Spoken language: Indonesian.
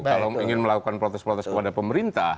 kalau ingin melakukan protes protes kepada pemerintah